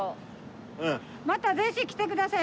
またぜひ来てください！